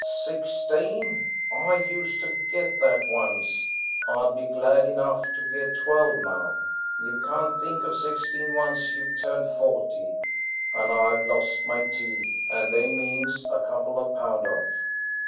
"Sixteen! I used to get that once; I'd be glad enough to get twelve now. You can't think of sixteen once you've turned forty, and I've lost my teeth, and they means a couple of pound off."